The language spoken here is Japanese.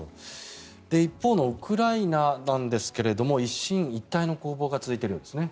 一方のウクライナなんですが一進一退の攻防が続いているようですね。